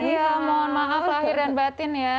iya mohon maaf lahir dan batin ya